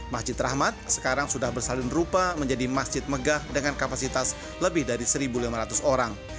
masjid rahmat sekarang sudah bersalin rupa menjadi masjid megah dengan kapasitas lebih dari satu lima ratus orang